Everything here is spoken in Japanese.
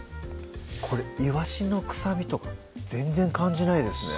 これいわしの臭みとか全然感じないですね